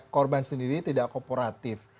korban ini tidak kooperatif